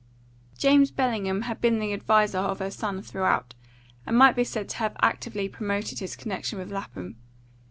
James Bellingham had been the adviser of her son throughout, and might be said to have actively promoted his connection with Lapham.